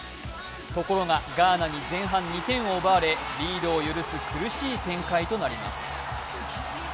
ところがガーナに前半２点を奪われリードを許す苦しい展開になります。